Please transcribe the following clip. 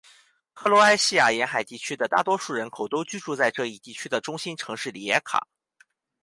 克罗埃西亚沿海地区的大多数人口都居住在这一地区的中心城市里耶卡。